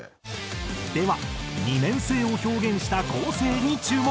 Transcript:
では二面性を表現した構成に注目。